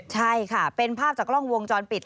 ใช่ค่ะเป็นภาพจักรรมวงจรปิด